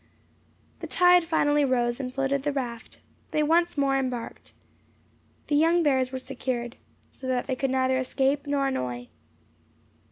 The tide finally rose, and floated the raft. They once more embarked. The young bears were secured, so that they could neither escape nor annoy.